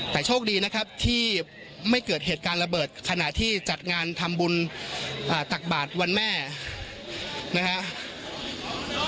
แต่โชคดีนะครับที่ไม่เกิดเหตุการณ์ระเบิดขณะที่จัดงานทำบุญตักบาทวันแม่นะครับ